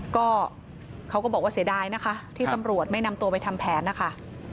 ก็เขาก็บอกว่าเสียดายนะคะที่ตำรวจไม่นำตัวไปทำแผนนะคะ